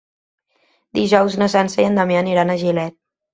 Dijous na Sança i en Damià aniran a Gilet.